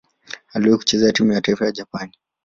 Aliwahi kucheza timu ya taifa ya Japani.